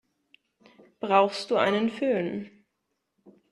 Brauchst du einen Fön?